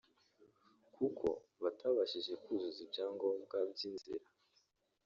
kuko batabashije kuzuza ibyangombwa by’inzira